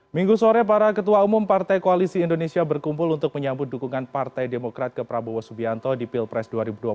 minggu sore para ketua umum partai koalisi indonesia berkumpul untuk menyambut dukungan partai demokrat ke prabowo subianto di pilpres dua ribu dua puluh